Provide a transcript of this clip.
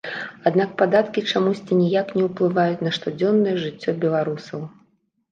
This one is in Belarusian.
Аднак падаткі чамусьці ніяк не ўплываюць на штодзённае жыццё беларусаў.